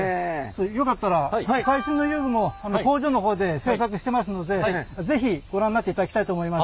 よかったら最新の遊具も工場の方で製作してますので是非ご覧になっていただきたいと思います。